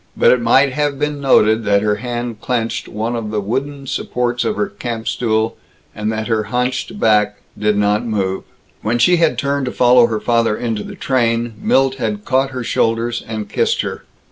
But it might have been noted that her hand clenched one of the wooden supports of her camp stool, and that her hunched back did not move. When she had turned to follow her father into the train, Milt had caught her shoulders and kissed her.